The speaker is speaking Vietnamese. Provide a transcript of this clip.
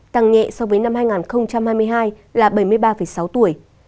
tăng nhẹ so với năm hai nghìn hai mươi hai là bảy mươi ba sáu tuổi